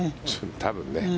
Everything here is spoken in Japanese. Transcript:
多分ね。